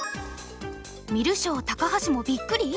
観る将高橋もびっくり！？